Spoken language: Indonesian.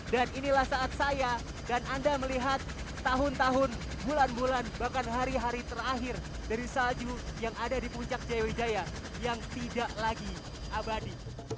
dan inilah saat saya dan anda melihat tahun tahun bulan bulan bahkan hari hari terakhir dari salju yang ada di puncak jaya wijaya yang tidak lagi abadi